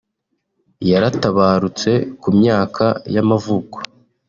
yaratabarutse ku myaka y’amavuko